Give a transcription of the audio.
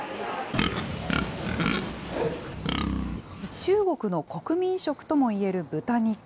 中国の国民食ともいえる豚肉。